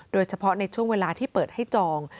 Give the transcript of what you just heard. โดยเฉพาะในช่วงเวลาที่เปิดให้จอง